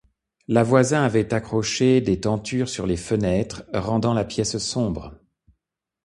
La Voisin avait accroché des tentures sur les fenêtres, rendant la pièce sombre.